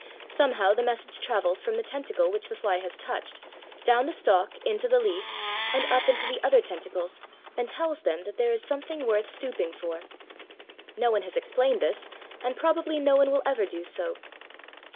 Somehow the message travels from the tentacle which the fly has touched, down the stalk into the leaf, and up into the other tentacles, and tells them that there is something worth stooping for. No one has explained this, and probably no one will ever do so.